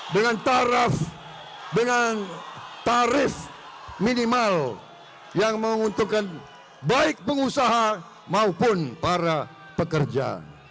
dengan taraf dengan tarif minimal yang menguntungkan baik pengusaha maupun para pekerja